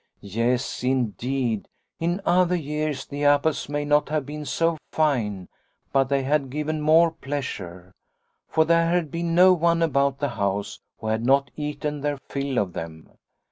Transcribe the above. " Yes, indeed, in other years the apples may not have been so fine, but they had given more Snow White 73 pleasure, for there had been no one about the house who had not eaten their fill of them.